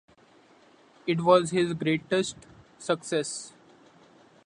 It was his greatest success.